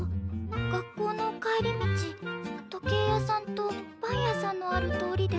学校の帰り道時計屋さんとパン屋さんのある通りで。